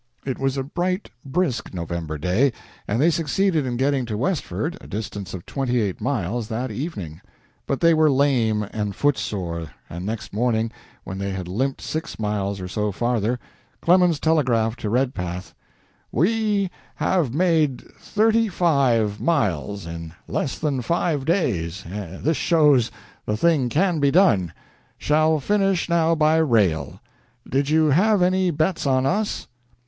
It was a bright, brisk November day, and they succeeded in getting to Westford, a distance of twenty eight miles, that evening. But they were lame and foot sore, and next morning, when they had limped six miles or so farther, Clemens telegraphed to Redpath: "We have made thirty five miles in less than five days. This shows the thing can be done. Shall finish now by rail. Did you have any bets on us?"